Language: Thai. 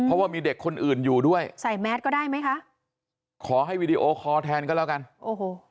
เพราะว่ามีเด็กคนอื่นอยู่ด้วยใส่แมสก็ได้ไหมคะขอให้วีดีโอคอร์แทนก็แล้วกันโอ้โห